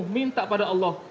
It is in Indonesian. minta pada allah